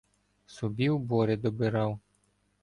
Собі убори добирав: